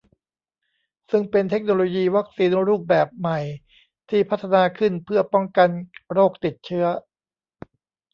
ซึ่งเป็นเทคโนโลยีวัคซีนรูปแบบใหม่ที่พัฒนาขึ้นเพื่อป้องกันโรคติดเชื้อ